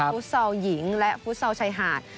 ฟุตซอลหญิงและฟุตซอลชายหาด